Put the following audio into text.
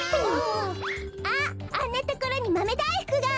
あっあんなところにまめだいふくが！